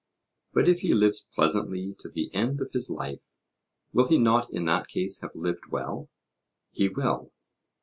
But if he lives pleasantly to the end of his life, will he not in that case have lived well? He will.